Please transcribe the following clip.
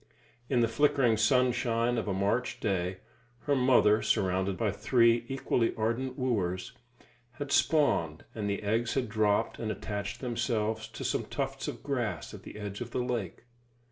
In the flickering sunshine of a March day, her mother, surrounded by three equally ardent wooers, had spawned, and the eggs had dropped and attached themselves to some tufts of grass at the edge of the lake.